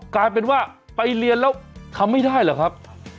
กลายเป็นว่าไปเรียนแล้วทำไม่ได้เหรอครับ